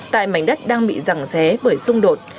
tại mảnh đất đang bị rẳng xé bởi xung đột